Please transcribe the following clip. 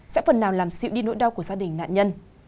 sẽ phần nào làm dịu đi nỗi đau của gia đình nạn nhân